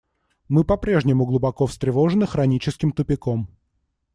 Мы по-прежнему глубоко встревожены хроническим тупиком.